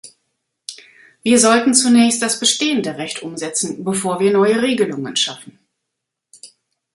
Wir sollten zunächst das bestehende Recht umsetzen, bevor wir neue Regelungen schaffen.